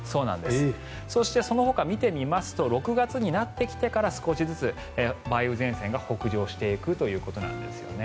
そして、そのほか見てみますと６月になってきてから少しずつ梅雨前線が北上していくということです。